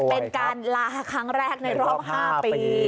เป็นการลาครั้งแรกในรอบ๕ปี